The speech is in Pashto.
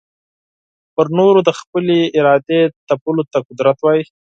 پر نورو د خپلي ارادې تپلو ته قدرت وايې.